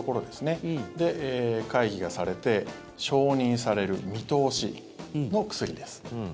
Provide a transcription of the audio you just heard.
そこで、会議がされて承認される見通しの薬です。